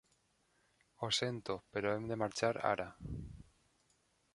Ho sento però hem de marxar ara.